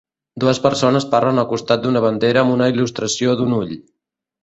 Dues persones parlen al costat d'una bandera amb una il·lustració d'un ull.